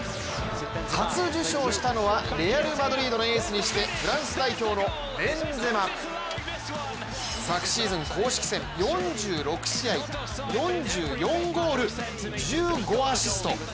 初受賞したのはレアル・マドリードのエースにしてフランス代表のベンゼマ。昨シーズン公式４６試合４４ゴール１５アシスト。